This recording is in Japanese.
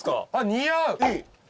似合う。